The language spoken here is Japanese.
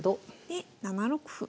で７六歩。